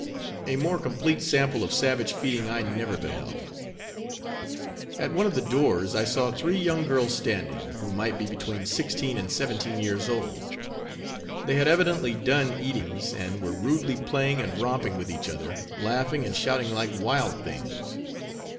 A more complete sample of savage feeding, I never beheld. At one of the doors I saw three young girls standing, who might be between sixteen and seventeen years old; they had evidently done eatings and were rudely playing and romping with each other, laughing and shouting like wild things.